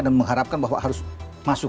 dan mengharapkan bahwa harus masuk